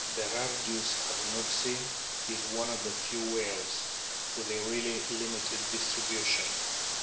Berardius arnouxi is one of the few whales with a really limited distribution.